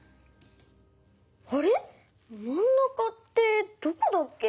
あれまんなかってどこだっけ？